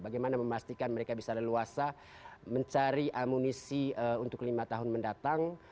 bagaimana memastikan mereka bisa leluasa mencari amunisi untuk lima tahun mendatang